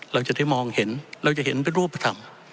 เราจะได้มองเห็นเราจะเห็นเป็นรูปธรรม